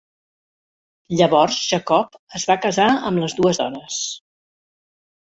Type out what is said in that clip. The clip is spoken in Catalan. Llavors, Jacob es va casar amb les dues dones.